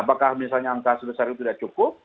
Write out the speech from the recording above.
apakah misalnya angka sebesar itu tidak cukup